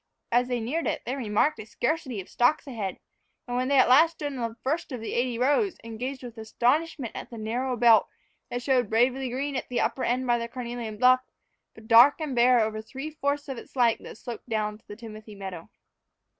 As they neared it they remarked a scarcity of stalks ahead; and when they at last stood on the first of the eighty rows, they gazed with astonishment at the narrow belt that showed bravely green at the upper end by the carnelian bluff, but dark and bare over the three fourths of its length that sloped down to the timothy meadow.